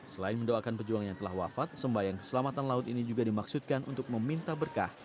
selain mendoakan pejuang yang telah wafat sembahyang keselamatan laut ini juga dimaksudkan untuk meminta berkah